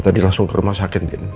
tadi langsung ke rumah sakit